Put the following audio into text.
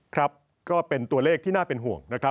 ครับก็เป็นตัวเลขที่น่าเป็นห่วงนะครับ